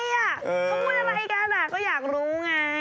ประมาณนั้น